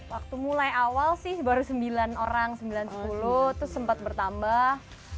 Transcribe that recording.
waktu mulai awal sih baru sembilan orang sembilan sepuluh terus sempat bertambah